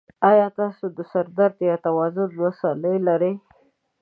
ایا تاسو د سر درد یا توازن مسلې لرئ؟